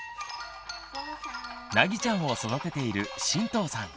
なぎちゃんを育てている神藤さん。